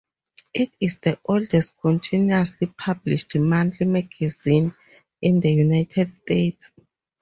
It is the oldest continuously published monthly magazine in the United States.